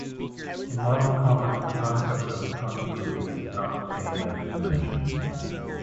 In Marvel Comics, the concept of a continuity is not the same as "dimension".